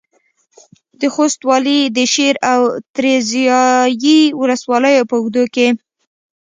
د خوست والي د شېر او تریزایي ولسوالیو په اوږدو کې